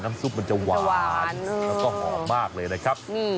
ซุปมันจะหวานแล้วก็หอมมากเลยนะครับ